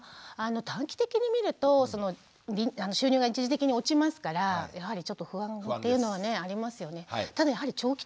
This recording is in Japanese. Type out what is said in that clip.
短期的に見ると収入が一時的に落ちますからやはりちょっと不安っていうのはねありますよね。